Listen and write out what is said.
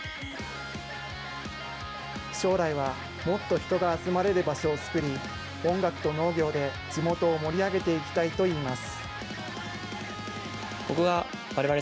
将来はもっと人が集まれる場所を作り、音楽と農業で地元を盛り上げていきたいといいます。